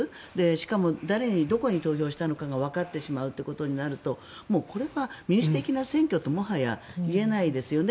しかも誰に、どこに投票したかがわかってしまうとなるとこれは民主的な選挙ともはや言えないですよね。